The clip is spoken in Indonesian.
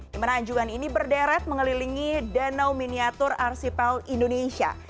dimana anjungan ini berderet mengelilingi danau miniatur arsipel indonesia